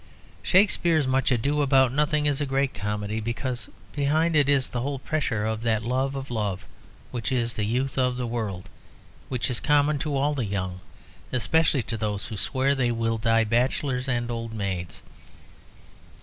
Shakespeare's "Much Ado About Nothing" is a great comedy, because behind it is the whole pressure of that love of love which is the youth of the world, which is common to all the young, especially to those who swear they will die bachelors and old maids.